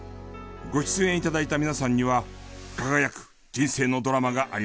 ご出演頂いた皆さんには輝く人生のドラマがありました。